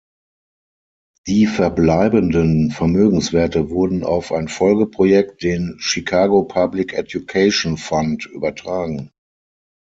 Die verbleibenden Vermögenswerte wurden auf ein Folgeprojekt, den "Chicago Public Education Fund", übertragen.